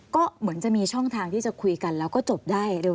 ก็เหมือนจะมีช่องทางที่จะคุยกันแล้วก็จบได้เร็ว